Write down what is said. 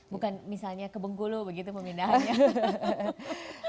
bukan misalnya ke bengkulu begitu pemindahannya